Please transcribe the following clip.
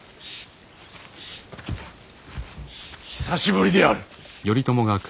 久しぶりである。